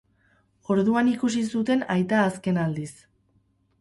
Orduan ikusi zuten aita azken aldiz.